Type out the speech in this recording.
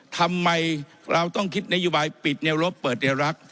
ทำไมเราต้องคิดนโยบายปิดแนวรบเปิดแนวรัก